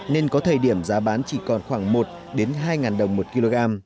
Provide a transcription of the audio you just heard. nên có thời điểm giá bán chỉ còn khoảng một hai đồng một kg